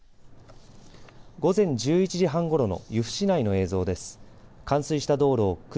午前１１時半ごろの由布市内の映像です。